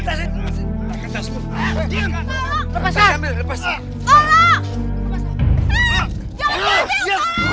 jangan jatuh lepas